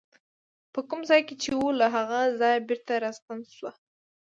په کوم ځای کې چې وه له هغه ځایه بېرته راستنه شوه.